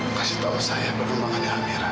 kasih tahu saya perkembangannya amira